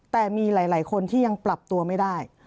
แต่มีหลายคนที่ยังปรับตัวไม่ได้